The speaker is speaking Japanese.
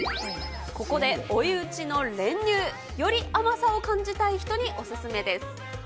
ここで追い打ちの練乳。より甘さを感じたい人にお勧めです。